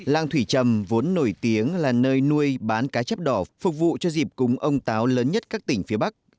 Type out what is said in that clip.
làng thủy trầm vốn nổi tiếng là nơi nuôi bán cá chép đỏ phục vụ cho dịp cúng ông táo lớn nhất các tỉnh phía bắc